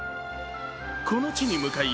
この地に向かい